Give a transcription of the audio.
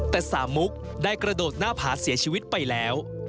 แต่สามุกได้กระโดดหน้าผาเสียชีวิตไปแล้ว